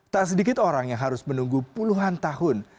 tak sedikit orang yang harus menunggu puluhan tahun